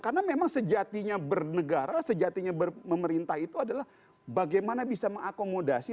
karena memang sejatinya bernegara sejatinya pemerintah itu adalah bagaimana bisa mengakomodasi